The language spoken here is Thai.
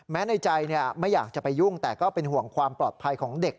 ในใจไม่อยากจะไปยุ่งแต่ก็เป็นห่วงความปลอดภัยของเด็ก